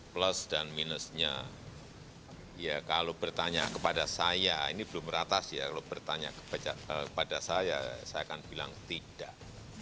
plus dan minusnya ya kalau bertanya kepada saya ini belum ratas ya kalau bertanya kepada saya saya akan bilang tidak